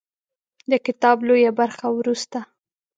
د کتاب لویه برخه وروسته